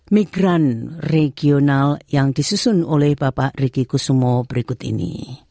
migran regional yang disusun oleh bapak riki kusumo berikut ini